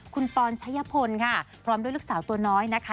คุณปอนชัยพลค่ะพร้อมด้วยลูกสาวตัวน้อยนะคะ